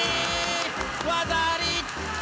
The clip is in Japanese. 技あり！